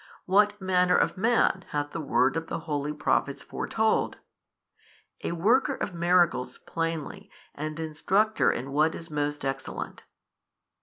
what manner of man hath the word of the holy Prophets foretold? a Worker of miracles plainly and instructer in what is most excellent.